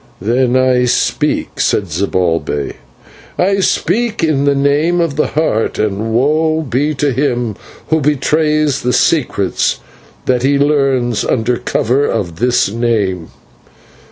"Then I speak," said Zibalbay, "I speak in the name of the Heart, and woe be to him who betrays the secrets that he learns under cover of this name.